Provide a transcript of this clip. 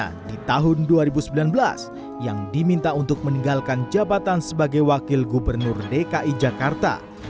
karena di tahun dua ribu sembilan belas yang diminta untuk meninggalkan jabatan sebagai wakil gubernur dki jakarta